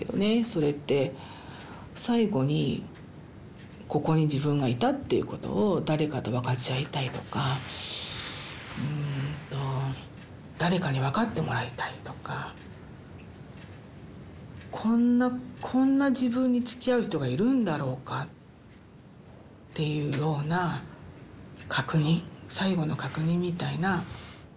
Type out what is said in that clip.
それって最後にここに自分がいたっていうことを誰かとわかち合いたいとかうんと誰かにわかってもらいたいとかこんなこんな自分につきあう人がいるんだろうかっていうような確認最後の確認みたいな。